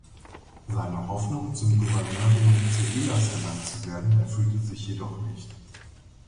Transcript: Seine Hoffnung, zum Gouverneur Venezuelas ernannt zu werden, erfüllte sich jedoch nicht.